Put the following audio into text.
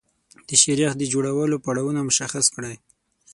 د شیریخ د جوړولو پړاوونه مشخص کړئ.